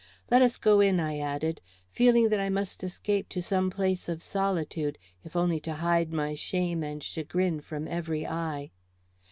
"Let us go in," I added, feeling that I must escape to some place of solitude, if only to hide my shame and chagrin from every eye.